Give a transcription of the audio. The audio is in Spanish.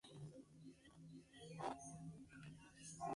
El paso es de estilo neobarroco.